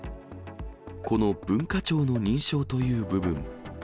この文化庁の認証という部分。